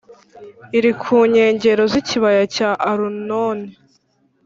iri ku nkengero z’ikibaya cya arunoni